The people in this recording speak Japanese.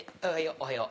おはよう。